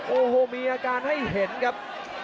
โอ้โหมีอาการให้เห็นครับ